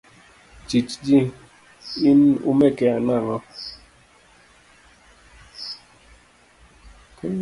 Chich ji, in umeke nang'o?